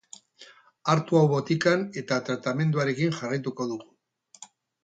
Hartu hau botikan eta tratamenduarekin jarraituko dugu.